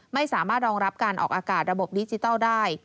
ไม่สามารถรองรับการออกอากาศระบบดิจิทัลได้